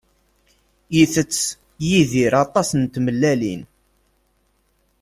Itett Yidir aṭas n tmellalin.